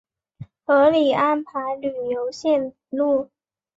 合理安排旅游线路